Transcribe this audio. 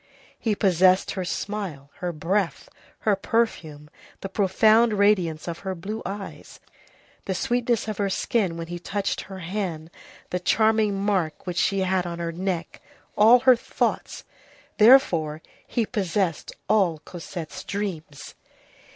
He possessed her smile, her breath, her perfume, the profound radiance of her blue eyes, the sweetness of her skin when he touched her hand, the charming mark which she had on her neck, all her thoughts. Therefore, he possessed all Cosette's dreams.